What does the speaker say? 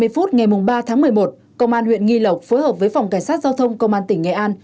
ba mươi phút ngày ba tháng một mươi một công an huyện nghi lộc phối hợp với phòng cảnh sát giao thông công an tỉnh nghệ an